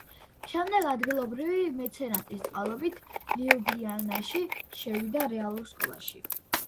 შემდეგ ადგილობრივი მეცენატის წყალობით ლიუბლიანაში შევიდა რეალურ სკოლაში.